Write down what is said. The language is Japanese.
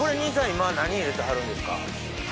今何入れてはるんですか？